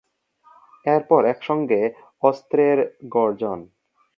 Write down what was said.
তারপর একসঙ্গে অস্ত্রের গর্জন।